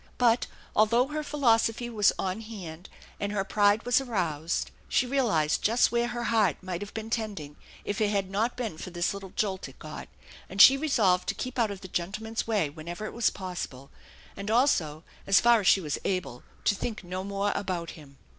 But although her philosophy was on hand and her pride was aroused, she realized just where her heart might have Deen tending if it had not been for this little jolt it got; and she resolved to keep out of the gentleman's way when ever it was possible, and also, as far as she was able, to think no more about him.